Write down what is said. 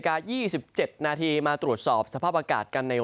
บาท่องสี่สิบเจ็ดนาทีมาตรวจสอบสภาพอากาศกันใน